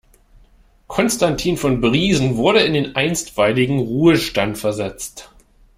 Constantin von Briesen wurde in den einstweiligen Ruhestand versetzt.